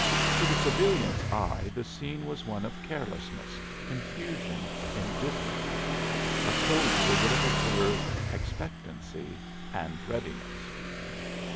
To the civilian's eye the scene was one of carelessness, confusion, indifference; a soldier would have observed expectancy and readiness.